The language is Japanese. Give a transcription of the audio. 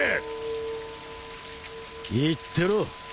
言ってろ。